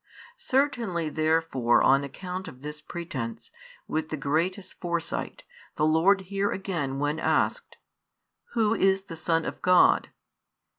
Certainly therefore on account of this pretence, with the greatest foresight, the Lord here again when asked, "Who is the Son of God?"